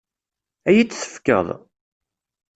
Ad iyi-t-tefkeḍ?